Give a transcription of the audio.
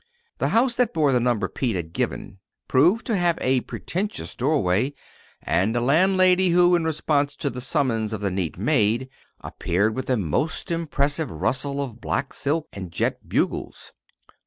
The house that bore the number Pete had given proved to have a pretentious doorway, and a landlady who, in response to the summons of the neat maid, appeared with a most impressive rustle of black silk and jet bugles.